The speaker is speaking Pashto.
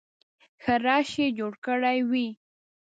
ښه رش یې جوړ کړی وي.